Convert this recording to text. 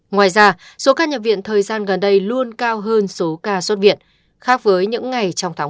ngoài ra số ca nhập viện thời gian gần đây luôn cao hơn số ca xuất viện khác với những ngày trong tháng một